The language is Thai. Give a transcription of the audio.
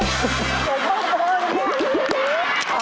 หลวงพ่อว่าอย่างนี้